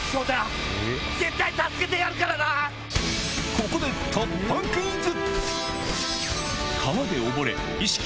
ここで突破クイズ！